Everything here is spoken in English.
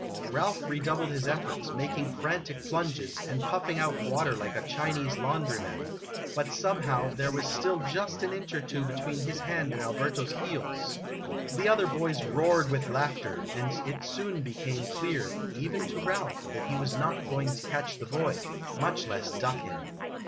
Ralph redoubled his efforts, making frantic plunges, and puffing out water like a Chinese laundryman, but, somehow, there was still just an inch or two between his hand and Alberto's heels. The other boys roared with laughter, and it soon became clear, even to Ralph, that he was not going to catch the boy much less duck him.